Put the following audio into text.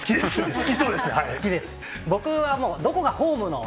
好きそうですね。